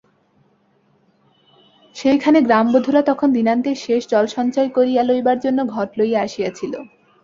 সেইখানে গ্রামবধূরা তখন দিনান্তের শেষ জলসঞ্চয় করিয়া লইবার জন্য ঘট লইয়া আসিয়াছিল।